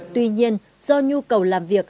tuy nhiên do nhu cầu làm việc